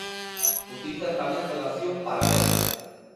Utilizan tamén redacción paralela.